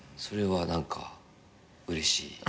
それは何かうれしい。